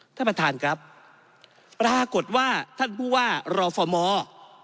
ท่านประธานครับปรากฏว่าท่านผู้ว่ารอฟอร์มอร์